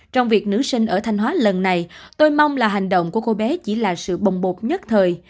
trong việc nữ sinh ở thanh hóa lần này tôi mong là hành động của cô bé chỉ là sự bồng bột nhất thời